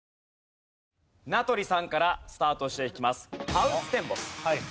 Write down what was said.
名取さんからスタートしていきます。